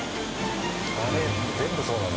あれ全部そうなの？